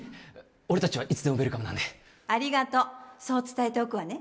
俺達はいつでもウエルカムなんでありがとうそう伝えておくわね